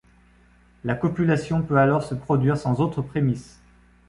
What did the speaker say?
La copulation peut alors se produire sans autres prémices.